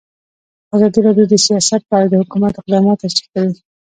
ازادي راډیو د سیاست په اړه د حکومت اقدامات تشریح کړي.